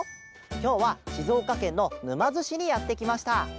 きょうはしずおかけんのぬまづしにやってきました。